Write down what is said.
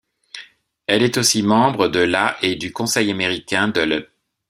Il est aussi membre de la et du Conseil Américain de l'.